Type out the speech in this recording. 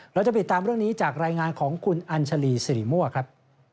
เราจะติดตามเรื่องนี้จากรายงานของคุณอัญชาลีสิริมั่วครับ